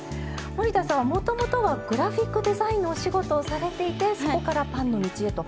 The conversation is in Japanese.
森田さんはもともとはグラフィックデザインのお仕事をされていてそこからパンの道へと。